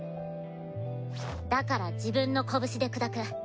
だから自分の拳で砕く。